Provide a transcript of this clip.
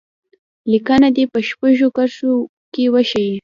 لیکنه دې په شپږو کرښو کې وشي.